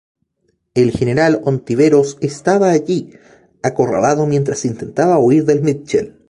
El general Ontiveros estaba allí, acorralado mientras intentaba huir de Mitchell.